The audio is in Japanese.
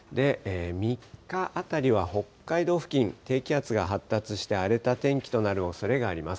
３日あたりは北海道付近、低気圧が発達して荒れた天気となるおそれがあります。